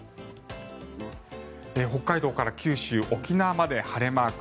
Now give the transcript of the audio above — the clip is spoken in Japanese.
北海道から九州、沖縄まで晴れマーク。